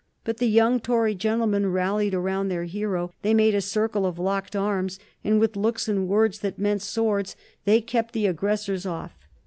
But the young Tory gentlemen rallied around their hero. They made a circle of locked arms, and with looks and words that meant swords they kept the aggressors off.